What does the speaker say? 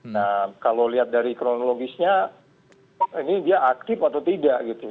nah kalau lihat dari kronologisnya ini dia aktif atau tidak gitu